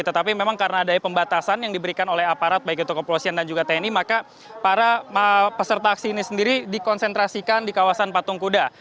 tetapi memang karena ada pembatasan yang diberikan oleh aparat baik itu kepolisian dan juga tni maka para peserta aksi ini sendiri dikonsentrasikan di kawasan patung kuda